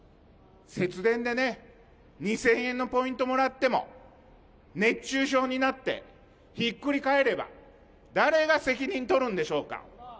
節電でね、２０００円のポイントもらっても、熱中症になって、ひっくり返れば、誰が責任取るんでしょうか。